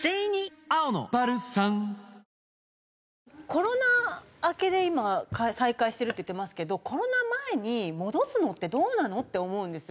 コロナ明けで今再開してるって言ってますけどコロナ前に戻すのってどうなの？って思うんですよ。